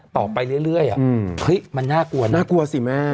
ต่อไปเรื่อยเฮ้ยมันน่ากลัวนะน่ากลัวสิแม่